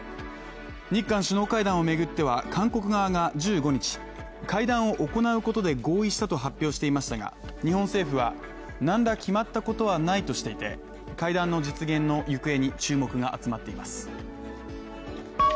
日韓首脳会談を巡っては、韓国側が１５日会談を行うことで合意したと発表していましたが、日本政府は何ら決まったことはないとしていて、会談実現の行方に注目が集まっています。